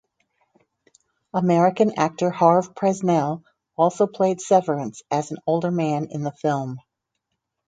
American actor Harve Presnell also played Severance as an older man in the film.